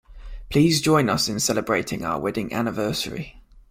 Please join us in celebrating our wedding anniversary